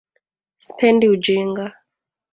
Sipendi ujinga